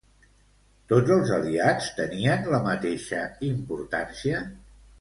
Tots els aliats tenien la mateixa importància?